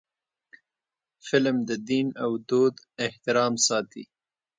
فلم د دین او دود احترام ساتي